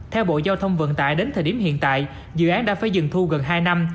theo bộ giao thông vận tải đến thời điểm hiện tại dự án đã phải dừng thu gần hai năm